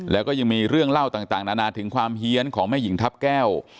แล้วก็ยังมีเรื่องเล่าต่างนานาถึงความเฮียนของแม่หญิงทัพแก้ว